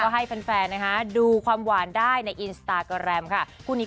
ไม่เคยเลยครับอันนั้นมันเยอะไป